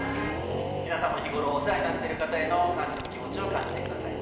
皆さんも日頃、お世話になっている方への感謝の気持ちを感じてください。